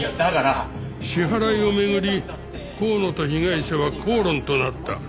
支払いを巡り香野と被害者は口論となった。